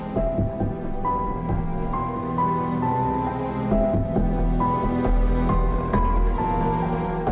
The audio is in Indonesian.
saya mau cari dia